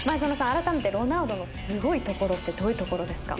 あらためてロナウドのすごいところってどういうところですか？